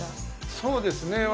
そうですね